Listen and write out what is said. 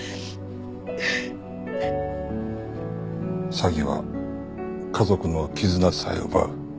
詐欺は家族の絆さえ奪う。